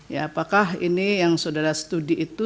ya apakah ini yang saudara studi itu